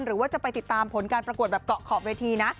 หรือว่าจะไปติดตามผลการประกวดแบบเกาะขอบเวทีนะ